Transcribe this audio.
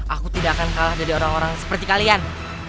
aku tidak akan kalah dari orang orang seperti kalian